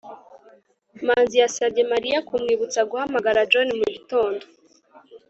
manzi yasabye mariya kumwibutsa guhamagara john mugitondo